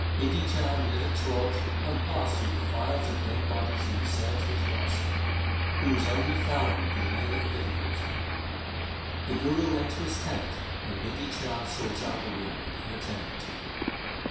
Bidhi Chand lit a torch and passed through files of dead bodies in his search for his master, who was only found with delay and difficulty. The Guru went to his tent and Bidhi Chand sought out the wounded and attended to them.